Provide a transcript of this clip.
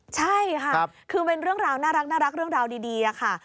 ใช่ค่ะคือเป็นเรื่องราวน่ารักเรื่องราวดีค่ะ